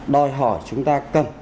đòi hỏi chúng ta cần